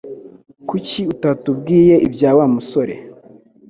Kuki utatubwiye ibya Wa musore